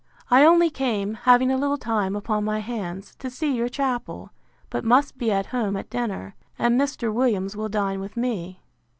I only came, having a little time upon my hands, to see your chapel; but must be at home at dinner; and Mr. Williams will dine with me.